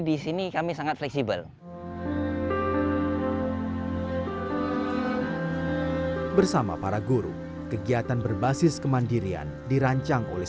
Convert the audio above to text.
di sini kami sangat fleksibel bersama para guru kegiatan berbasis kemandirian dirancang oleh